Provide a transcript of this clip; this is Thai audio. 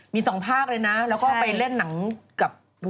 มีสองภาคเลยนะแล้วก็ไปเล่นหนังกับ